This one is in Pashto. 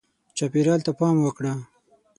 چاپېریال ته پام وکړه.